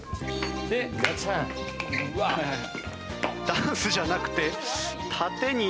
ダンスじゃなくて殺陣に。